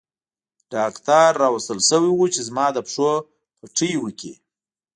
ډاکټر راوستل شوی وو چې زما د پښو پټۍ وکړي.